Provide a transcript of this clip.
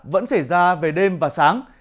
vẫn xảy ra về đêm và sáng